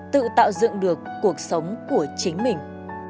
tự tạo dựng được cuộc sống của chính mình